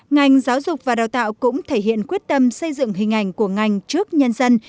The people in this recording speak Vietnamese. ngành giáo dục và đào tạo cũng thể hiện quyết tâm xây dựng hình ảnh của ngành trước nhân dân